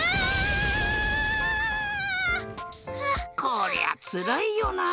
こりゃつらいよな。